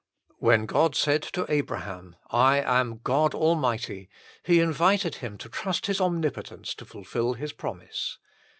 When God said to Abraham, " I am God Almighty," He invited him to trust His omni potence to fulfil His promise.